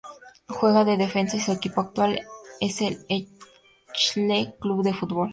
Juega de defensa y su equipo actual es el Elche Club de Fútbol.